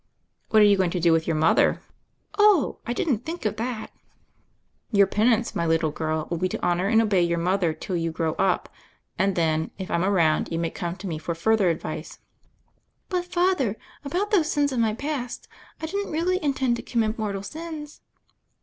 "What arc you going to do with your mother?" "Oh, I didn't think of that I" ISO THE FAIRY OF THE SNOWS "Your penance, my little girl, will be to honor and obey your mother till you grow up, and then, if I'm around, you may come to me for further advice." "But, Father — about those sins of my past. I didn't really intend to commit mortal sins."